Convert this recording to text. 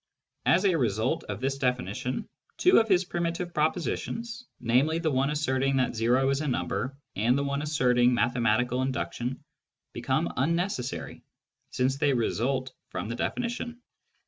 As a result of this definition, two of his primitive propositions — namely, the one asserting that o is a number and the one asserting mathematical induction — become unnecessary, since they result from the defini tion.